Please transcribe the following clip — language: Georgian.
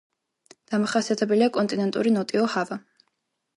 დამახასიათებელია კონტინენტური ნოტიო ჰავა.